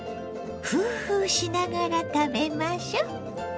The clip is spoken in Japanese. フーフーしながら食べましょ。